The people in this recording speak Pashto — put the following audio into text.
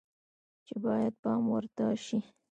چې باید پام ورته شي